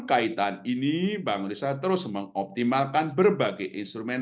kaitan ini bank indonesia terus mengoptimalkan berbagai instrumen